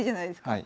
はい。